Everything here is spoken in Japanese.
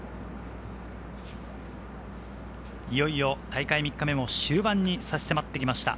いよいよ大会３日目も終盤にさし迫ってきました。